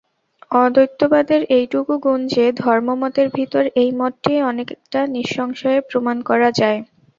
অদ্বৈতবাদের এইটুকু গুণ যে, ধর্মমতের ভিতর এই মতটিই অনেকটা নিঃসংশয়ে প্রমাণ করা যায়।